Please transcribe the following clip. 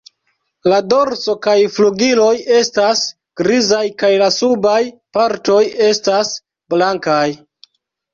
La dorso kaj flugiloj estas grizaj kaj la subaj partoj estas blankaj.